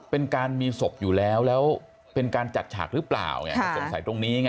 เป็นการมีศพอยู่แล้วแล้วเป็นการจัดฉากหรือเปล่าไงสงสัยตรงนี้ไง